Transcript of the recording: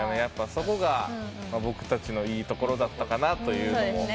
そこが僕たちのいいところだったかなと。